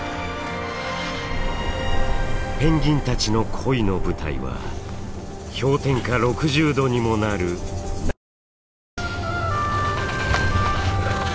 ペンギンたちの恋の舞台は氷点下６０度にもなる南極です。